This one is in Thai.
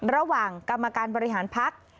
ระหว่างกรรมการบริหารพัก